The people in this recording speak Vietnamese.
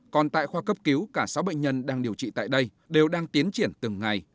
còn tại khoa cấp cứu cả sáu bệnh nhân đang điều trị tại đây đều đang tiến triển từng ngày